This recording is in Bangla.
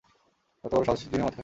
কত বড়ো সাহস জিমে মদ খাস!